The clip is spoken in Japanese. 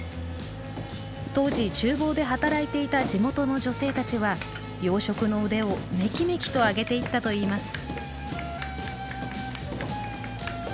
当時厨房で働いていた地元の女性たちは洋食の腕をめきめきと上げていったといいます。